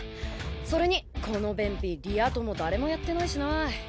それにこの「便秘」リア友誰もやってないしな。